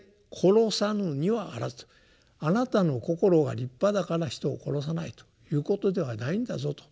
あなたの心が立派だから人を殺さないということではないんだぞと。